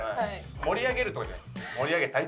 盛り上げるとかじゃないっす。